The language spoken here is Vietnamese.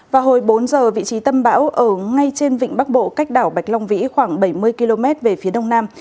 vào hồi bốn giờ vị trí tâm bão ở ngay trên vịnh bắc bộ cách đảo bạch long vĩ khoảng bảy mươi km về phía đông nam